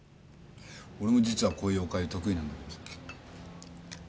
俺も実はこういうお粥得意なんだけどさ。